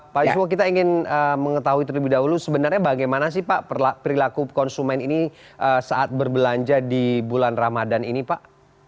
pak yuswo kita ingin mengetahui terlebih dahulu sebenarnya bagaimana sih pak perilaku konsumen ini saat berbelanja di bulan ramadan ini pak